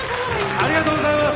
ありがとうございます！